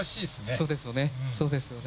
そうですよね